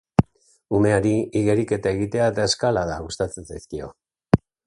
Umeari igeriketa egitea eta eskalada gustatzen zaizkio.